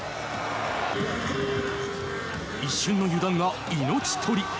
一瞬の油断が命取り。